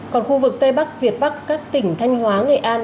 còn khu vực tây bắc việt bắc các tỉnh thanh hóa nghệ an